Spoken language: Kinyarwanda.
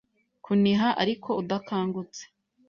kuniha, ariko udakangutse.